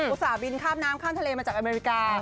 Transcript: ส่าหบินข้ามน้ำข้ามทะเลมาจากอเมริกา